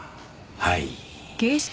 はい。